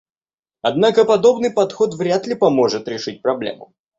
Однако подобный подход вряд ли поможет решить проблему.